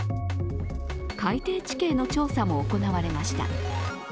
海底地形の調査も行われました。